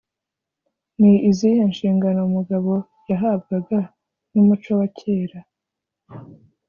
ni izihe nshingano umugabo yahabwaga n’umuco wa kera?